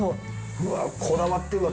うわこだわってるわ。